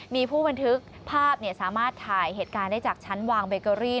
มีผู้บันทึกภาพสามารถถ่ายเหตุการณ์ได้จากชั้นวางเบเกอรี่